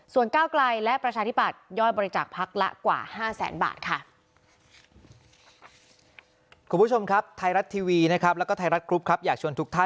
ส่วนก้าวไกลและประชาธิบัติย่อยบริจาคภักดิ์ละกว่า๕๐๐๐๐๐บาท